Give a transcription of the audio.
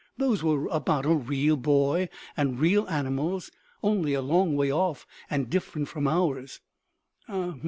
"Those were about a real boy and real animals only a long way off and different from ours."